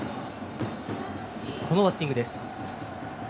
このバッティング。